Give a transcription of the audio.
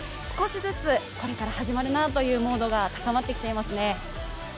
少しずつこれから始まるなというムードが高まってきていますね。